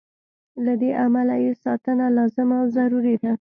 له دې امله یې ساتنه لازمه او ضروري ده.